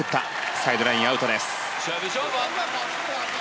サイドライン、アウトです。